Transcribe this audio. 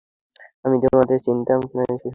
আমি তোমাদের চিনতাম কিনা সেসম্পর্কে নিশ্চিত ছিলাম না।